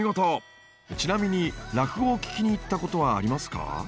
ちなみに落語を聞きに行ったことはありますか？